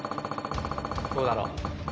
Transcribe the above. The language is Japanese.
どうだろう？